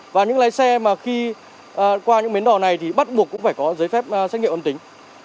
và những lái xe mà khi qua những bến đò này thì bắt buộc cũng phải có giấy phép xét nghiệm âm tính